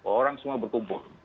orang semua berkumpul